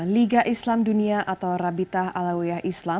liga islam dunia atau rabitah alawiyah islam